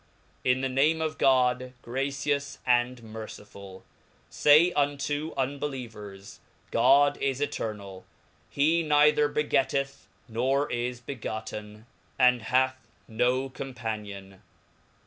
TN the name of God, gracious and merciftiU Say unto • 1 unbelievers, God is eternall, he neither begettcth, noi is begotten, and hath no companion.